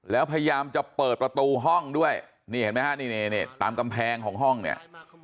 แล้วพยายามจะเปิดประตูห้องด้วยนี่เห็นไหมฮะนี่ตามกำแพงของห้องเนี่ย